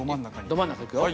ど真ん中いくよ。